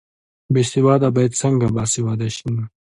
بې سواده باید څنګه باسواده شي؟